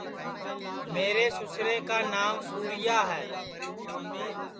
میرے سُسرے کانانٚو سُورِیا ہے